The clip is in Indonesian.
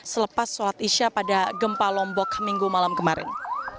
selepas sholat isya pada gempa lombok minggu malam kemarin